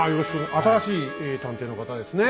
新しい探偵の方ですね。